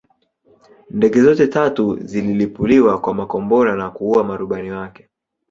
Ndege zote tatu zililipuliwa kwa makombora na kuua marubani wake